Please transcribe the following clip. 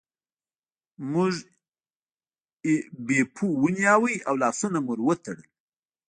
موږ بیپو ونیوه او لاسونه مو ور وتړل.